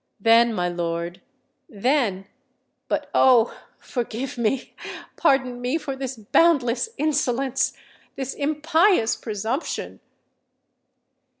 Then, my lord, then——but—oh! forgive me—pardon me for this boundless insolence—this impious presumption!"